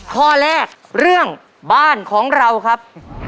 ข้อแรกเรื่องบ้านของเราครับ